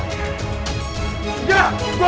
nggak gue bunuh